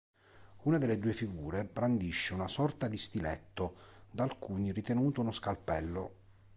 Una delle due figure brandisce uno sorta di stiletto, da alcuni ritenuto uno scalpello.